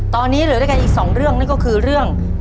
ตอนนี้เหลือด้วยกันอีกสองเรื่องนั่นก็คือเรื่อง